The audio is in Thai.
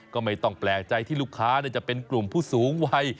ก็ไม่ต้องแปลกใจที่ลูกค้าจะเป็นกลุ่มผู้สูงวัย